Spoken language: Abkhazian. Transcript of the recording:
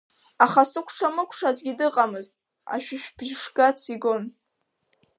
Аха сыкәша-мыкәша аӡәгьы дыҟамызт, ашәышәбжьы шгац игон.